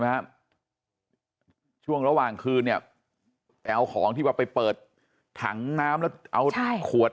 ไหมฮะช่วงระหว่างคืนเนี่ยไปเอาของที่ว่าไปเปิดถังน้ำแล้วเอาขวด